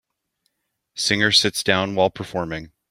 Singer sits down while performing.